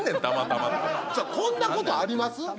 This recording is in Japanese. たまたまこんなことあります？